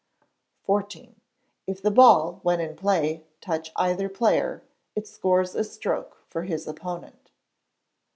xiv. If the ball when in play touch either player it scores a stroke for his opponent.